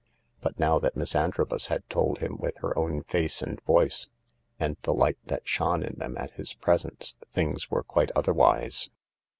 But now that Miss Antrobus had told him with her own face and voice, and the light that shone in them at his presence, things were quite otherwise.